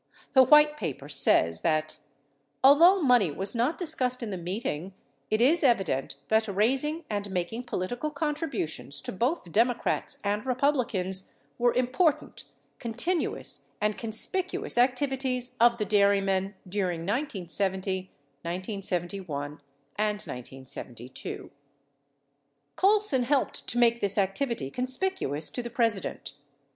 55 The White Paper says that : [although money was not discussed in the meeting ... it is evident that raising and making political contributions to both Democrats and Republicans were important, con tinuous and conspicuous activities of the dairymen during 1970, 1971, and 1972. 56 Colson helped to make this activity conspicuous to the President.